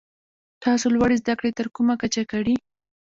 تاسو لوړي زده کړي تر کومه کچه کړي ؟